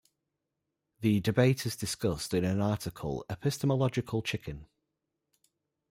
The debate is discussed in an article "Epistemological Chicken".